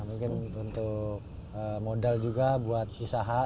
mungkin untuk modal juga buat usaha